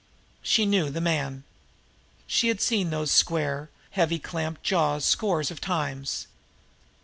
She knew the man. She had seen those square, heavy, clamped jaws scores of times.